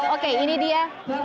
oke ini dia